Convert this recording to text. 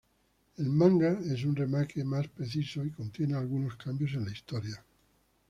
El manga es un "remake" más preciso y contiene algunos cambios en la historia.